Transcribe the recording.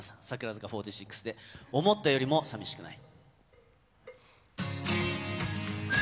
櫻坂４６で、思ったよりも寂しくない。